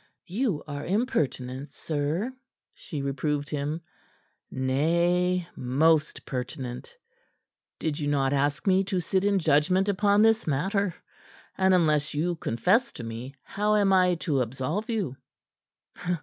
"You are impertinent, sir," she reproved him. "Nay, most pertinent. Did you not ask me to sit in judgment upon this matter? And unless you confess to me, how am I to absolve you?"